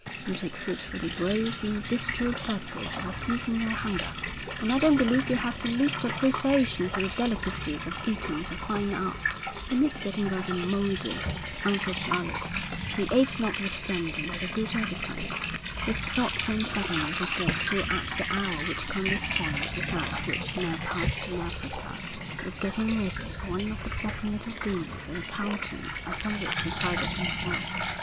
You take food for the gross and bestial purpose of appeasing your hunger, and I don't believe you have the least appreciation for the delicacies of eating as a fine art.' 'The meat's getting rather mouldy,' answered Alec. He ate notwithstanding with a good appetite. His thoughts went suddenly to Dick who at the hour which corresponded with that which now passed in Africa, was getting ready for one of the pleasant little dinners at the Carlton upon which he prided himself.